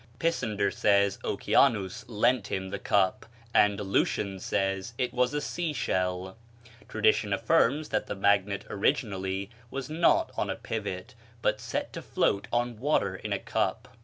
Pisander says Oceanus lent him the cup, and Lucian says it was a sea shell. Tradition affirms that the magnet originally was not on a pivot, but set to float on water in a cup.